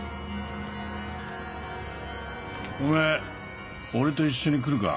おめぇ俺と一緒に来るか？